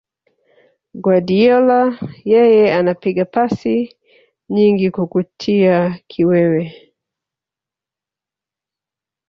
Guardiola yeye anapiga pasi nyingi kukutia kiwewe